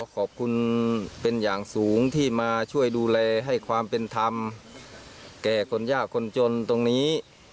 ขอบคุณเป็นอย่างสูงที่มาช่วยดูแลให้ความเป็นธรรมแก่คนยากคนจนตรงนี้